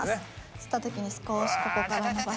吸った時に少しここから伸ばして。